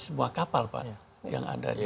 sebuah kapal pak yang ada